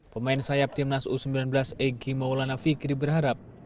pemain sayap timnas u sembilan belas egy maulana fikri berharap